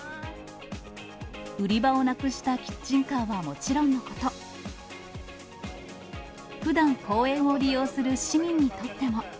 売り場をなくしたキッチンカーはもちろんのこと、ふだん公園を利用する市民にとっても。